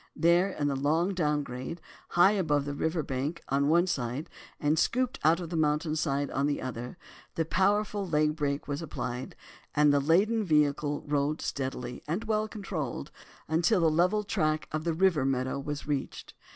There on the long down grade—high above the river bank on one side, and scooped out of the mountain side on the other, the powerful leg brake was applied, and the laden vehicle rolled steadily, and well controlled, until the level track of the river meadow was reached.